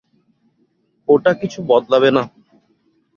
ওটা কিছু বদলাবে না।